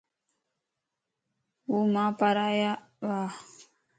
ھو مان پار آيا وا.